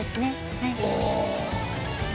はい。